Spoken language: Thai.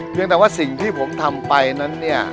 แต่ว่าสิ่งที่ผมทำไปนั้นเนี่ย